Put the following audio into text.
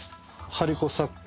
張り子作家のね